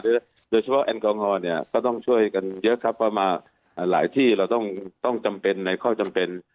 โดยเฉพาะแอลกอฮอล์เนี่ยก็ต้องช่วยกันเยอะครับเพราะว่าหลายที่เราต้องจำเป็นในข้อจำเป็น